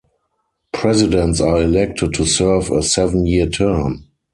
Presidents are elected to serve a seven-year term.